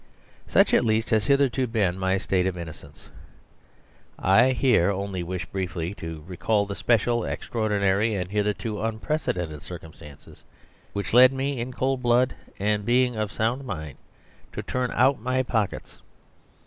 ..... Such at least has hitherto been my state of innocence. I here only wish briefly to recall the special, extraordinary, and hitherto unprecedented circumstances which led me in cold blood, and being of sound mind, to turn out my pockets.